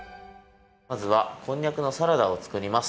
まずはこんにゃくのサラダをつくります。